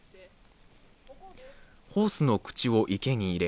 ホースの口を池に入れ